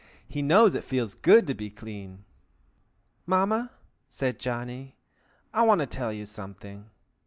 He knows it feels good to be clean." "Mamma!" said Johnny. "I want to tell you something.